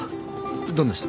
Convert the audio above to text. どんな人？